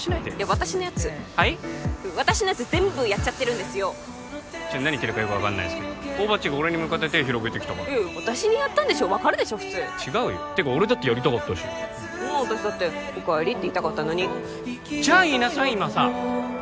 私のやつ全部やっちゃってるんですよちょっと何言ってるかよく分かんないんですけど大庭っちが俺に向かって手広げてきたからいやいや私にやったんでしょ分かるでしょ普通違うよてか俺だってやりたかったし私だって「おかえり」って言いたかったのにじゃあ言いなさい今ささあ！